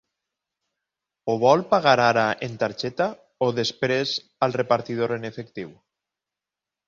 Ho vol pagar ara en targeta o després al repartidor en efectiu?